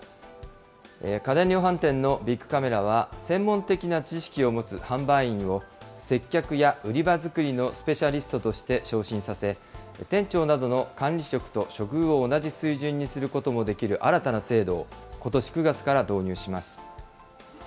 家電量販店のビックカメラは、専門的な知識を持つ販売員を接客や売り場作りのスペシャリストとして昇進させ、店長などの管理職と処遇を同じ水準にすることもできる新たな制度を、ことし９月から導入します。